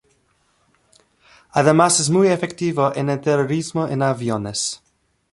Además es muy efectivo en el terrorismo en aviones.